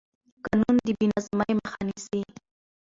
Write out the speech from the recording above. قانون د بې نظمۍ مخه نیسي